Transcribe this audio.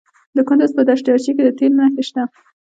د کندز په دشت ارچي کې د تیلو نښې شته.